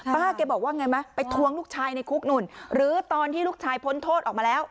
ป้าแกบอกว่าไงไหมไปทวงลูกชายในคุกนู่นหรือตอนที่ลูกชายพ้นโทษออกมาแล้ว